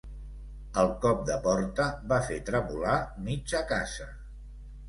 El cop de porta va fer tremolar mitja casa.